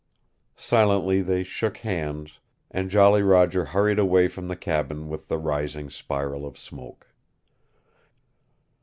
Silently they shook hands, and Jolly Roger hurried away from the cabin with the rising spiral of smoke.